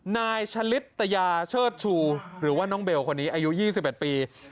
นายชะลิตยาเชิดชูหรือว่าน้องเบลคนนี้อายุ๒๑ปี